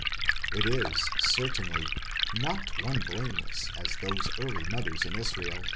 It is, certainly, not one blameless as those early mothers in Israel